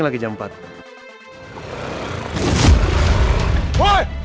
saya pesan premium hot tea